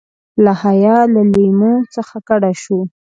له حیا له لیمو څخه کډه شو.